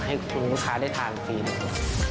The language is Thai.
ให้คุณลูกค้าได้ทานฟรีหนึ่ง